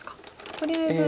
とりあえず。